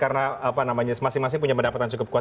karena masing masing punya pendapatan cukup kuat